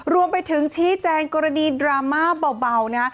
รวมไปถึงชี้แจงกรณีดราม่าเบานะฮะ